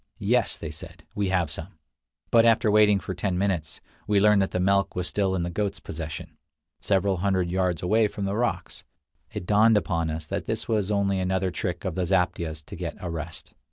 "Yes," they said; "we have some": but after waiting for ten minutes, we learned that the milk was still in the goats' possession, several hundred yards away among the rocks. It dawned upon us that this was only another trick of the zaptiehs to get a rest.